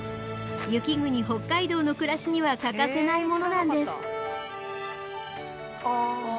雪国北海道の暮らしには欠かせないものなんです。